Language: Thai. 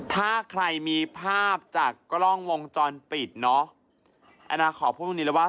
ถ้าใครมีภาพจากกล้องวงจรปิดแอน่าขอพูดหนึ่งแล้วว่า